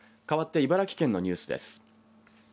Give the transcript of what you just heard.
かわって茨城県のニュースです。